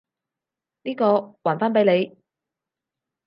呢個，還返畀你！